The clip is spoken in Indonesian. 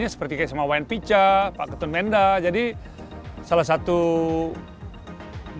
sebelum saya bulan pada tanggal delapan belas tahun